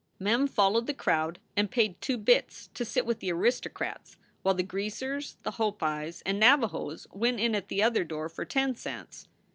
Mem followed the crowd and paid "two bits" to sit with the aristocrats, while the Greasers, the Hopis, and Navajos went in at the other door for ten cents.